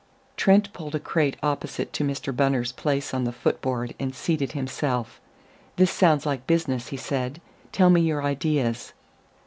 Trent pulled a crate opposite to Mr. Bunner's place on the foot board and seated himself. "This sounds like business," he said. "Tell me your ideas."